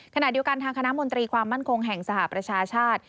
ขณะเดียวกันทางคณะมนตรีความมั่นคงแห่งสหประชาชาติ